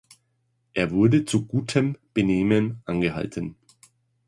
Er wurde zu gutem Benehmen angehalten.